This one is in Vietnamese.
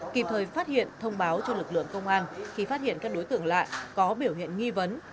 kịp thời phát hiện thông báo cho lực lượng công an khi phát hiện các đối tượng lạ có biểu hiện nghi vấn